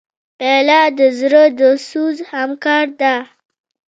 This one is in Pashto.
پیاله د زړه د سوز همکار ده.